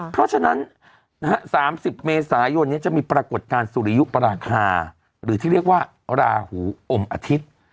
เพราะฉะนั้น๓๐เมษายนนี้จะมีปรากฏการณ์สุริยุปราคาหรือที่เรียกว่าราหูอมอาทิตย์